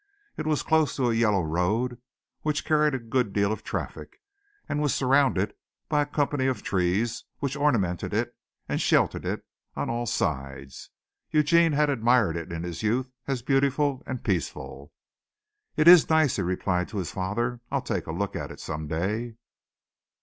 It was close to a yellow road which carried a good deal of traffic and was surrounded by a company of trees which ornamented it and sheltered it on all sides. Eugene had admired it in his youth as beautiful and peaceful. "It is nice," he replied to his father. "I'll take a look at it some day."